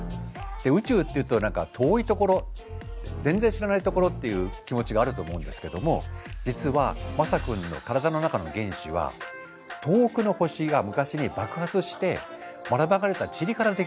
宇宙っていうと何か遠いところ全然知らないところっていう気持ちがあると思うんですけども実はまさ君の体の中の原子は遠くの星が昔に爆発してばらまかれたちりからできてるんです。